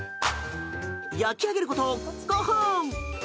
焼き上げること、５分。